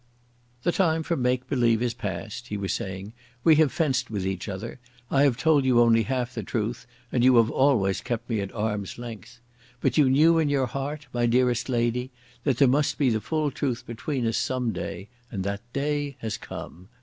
"The time for make believe is past," he was saying. "We have fenced with each other. I have told you only half the truth, and you have always kept me at arm's length. But you knew in your heart, my dearest lady, that there must be the full truth between us some day, and that day has come.